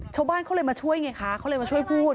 ชาวบ้านเขาเลยมาช่วยไงคะเขาเลยมาช่วยพูด